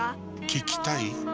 聞きたい？